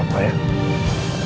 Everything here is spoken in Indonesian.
aku bisa jalan sebentar